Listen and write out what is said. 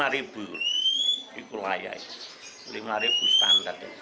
rp lima ikut layak rp lima standar